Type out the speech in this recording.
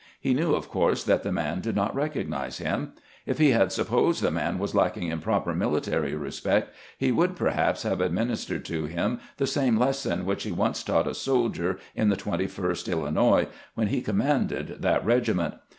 He knew, of course, that the man did not recognize him. If he had supposed the man was lacking in proper military respect, he would perhaps have administered to him the same lesson which he once taught a soldier in the Twenty first Illinois, whenhe commanded that regiment.